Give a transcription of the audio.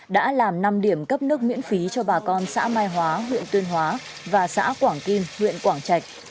đã làm năm điểm cấp nước miễn phí cho bà con xã mai hóa huyện tuyên hóa và xã quảng kim huyện quảng trạch